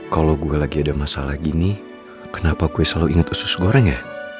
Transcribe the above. kalau gue lagi ada masalah gini kenapa gue selalu ingat usus goreng ya